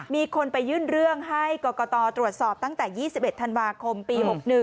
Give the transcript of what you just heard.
มีคนไปยื่นเรื่องให้กรกตตรวจสอบตั้งแต่๒๑ธันวาคมปี๖๑